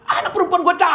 anak perempuan gue cakep